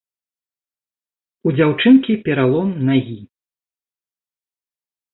У дзяўчынкі пералом нагі.